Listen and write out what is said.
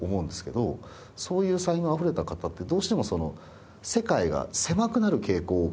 そういう才能あふれた方ってどうしても世界が狭くなる傾向があるんですけど